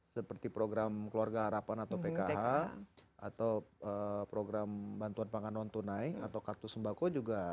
seperti program keluarga harapan atau pkh atau program bantuan pangan non tunai atau kartu sembako juga